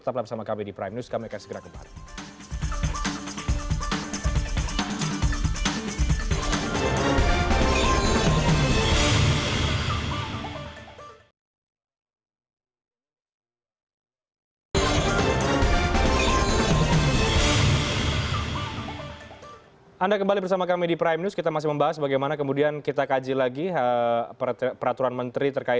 tetap bersama kami di prime news kami akan segera kembali